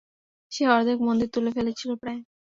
সে অর্ধেক মন্দির তুলে ফেলেছিল প্রায়।